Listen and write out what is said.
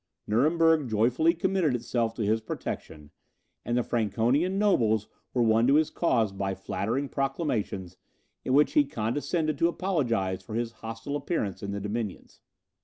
Nuremberg joyfully committed itself to his protection; and the Franconian nobles were won to his cause by flattering proclamations, in which he condescended to apologize for his hostile appearance in the dominions.